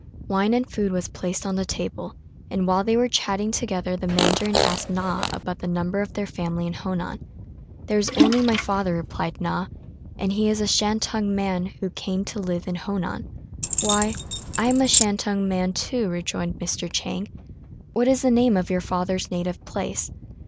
Wine and food was placed on the table; and while they were chatting together the mandarin asked Na about the number of their family in Honan. "There is only my father," replied Na, "and he is a Shantung man who came to live in Honan." "Why, I am a Shantung man too," rejoined Mr. Chang; "what is the name of your father's native place?"